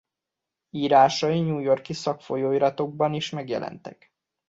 Írásai New York-i szakfolyóiratokban is megjelentek.